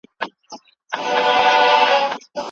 تاسي تل د خپلي ټولني خدمت کوئ.